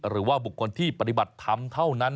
หรือแบบบุคคนที่ปฏิบัติทำเท่านั้น